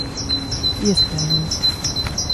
Iespējams.